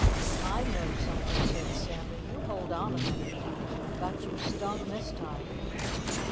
'" "I know something," said Sammy. "You hold on a minute. I got you stung this time."